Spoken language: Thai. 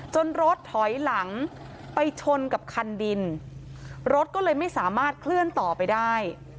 รถถอยหลังไปชนกับคันดินรถก็เลยไม่สามารถเคลื่อนต่อไปได้